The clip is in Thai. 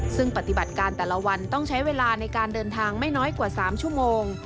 ซึ่งปฏิบัติการแต่ละวันต้องใช้เวลาในการเดินทางไม่น้อยกว่า๓ชั่วโมง